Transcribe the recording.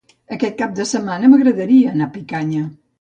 Aquest cap de setmana m'agradaria anar a Picanya.